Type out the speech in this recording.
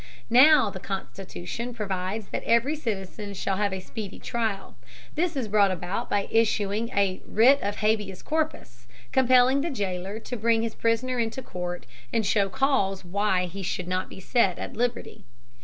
Now the Constitution provides that every citizen shall have a speedy trial. This is brought about by the issuing a writ of habeas corpus, compelling the jailer to bring his prisoner into court and show cause why he should not be set at liberty.